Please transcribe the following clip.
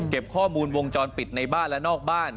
ข้อมูลวงจรปิดในบ้านและนอกบ้าน